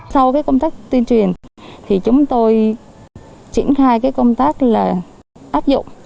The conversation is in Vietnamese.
sau công tác tuyên truyền thì chúng tôi triển khai cái công tác là áp dụng